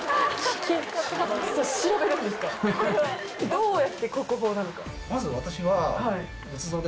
どうやって国宝なのか。